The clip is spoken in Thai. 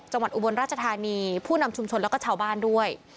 อุบลราชธานีผู้นำชุมชนแล้วก็ชาวบ้านด้วย